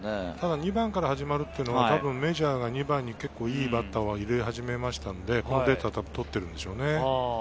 ２番から始まるっていうのはメジャーは２番にいいバッターを入れ始めましたので、このデータを取っているんでしょうね。